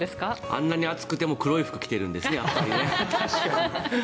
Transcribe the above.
あんなに暑くても黒い服を着ているんですね。